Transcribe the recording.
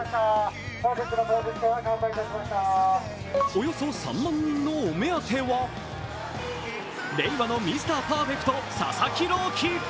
およそ３万人のお目当ては、令和のミスターパーフェクト、佐々木朗希。